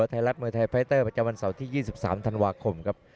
ไทยรัฐมวยไทยไฟเตอร์ประจำวันเสาร์ที่๒๓ธันวาคมครับ